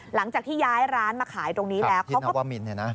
หลังจากที่ย้ายร้านมาขายตรงนี้แล้วเขาบอกว่ามินเนี่ยนะ